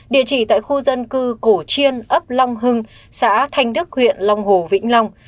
địa chỉ tại khu dân cư cổ chiên ấp long hưng xã thanh đức huyện long hồ vĩnh long